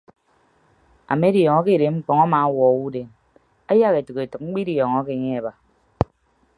Amediọñọ ke edem okpon ama awuọ owodeen ayak etәk etәk mkpịdiọñọke anye aba o.